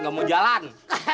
gak mau jalan